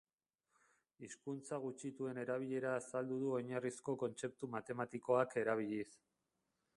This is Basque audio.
Hizkuntza gutxituen erabilera azaldu du oinarrizko kontzeptu matematikoak erabiliz.